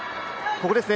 ここですね